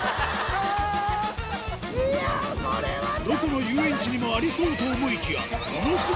どこの遊園地にもありそうと思いきやもの